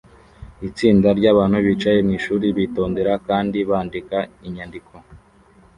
Itsinda ryabantu bicaye mwishuri bitondera kandi bandika inyandiko